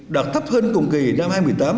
đạt thấp hơn cùng kỳ năm hai nghìn một mươi tám